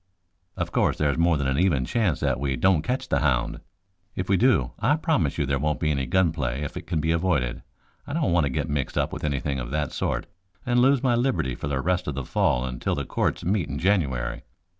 "Of course, there's more than an even chance that we don't catch the hound. If we do I promise you there won't be any gun play if it can be avoided. I don't want to get mixed up with anything of that sort and lose my liberty for the rest of the fall until the courts meet in January.